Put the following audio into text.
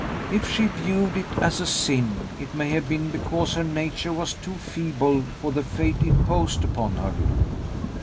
If she viewed it as a sin, it may have been because her nature was too feeble for the fate imposed upon her.